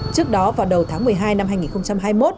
trước đó vào đầu tháng một mươi hai năm hai nghìn hai mươi một